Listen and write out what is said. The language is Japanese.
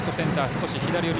少し左寄り。